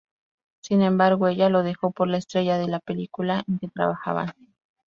Sin embargo, ella lo deja por la estrella de la película en que trabajaban.